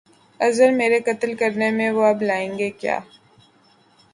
عذر میرے قتل کرنے میں وہ اب لائیں گے کیا